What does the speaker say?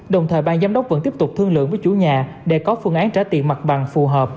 đồng thời bang giám đốc vẫn tiếp tục thương lượng với chủ nhà để có phương án trả tiền mặt bằng phù hợp